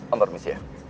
om permisi ya